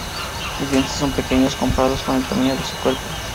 Sus dientes son pequeños comparados con el tamaño de su cuerpo.